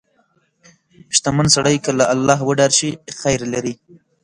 • شتمن سړی که له الله وډار شي، خیر لري.